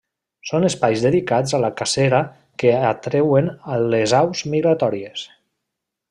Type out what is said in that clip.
Són espais dedicats a la cacera que atreuen les aus migratòries.